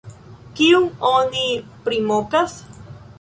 Kiun oni primokas?